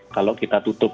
kalau kita tutup